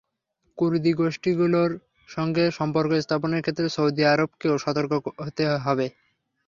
কুর্দি গোষ্ঠীগুলোর সঙ্গে সম্পর্ক স্থাপনের ক্ষেত্রে সৌদি আরবকেও সতর্ক হতে হবে।